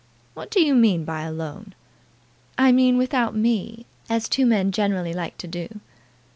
"What do you mean by alone?" "I meant without me, as two men generally like to do."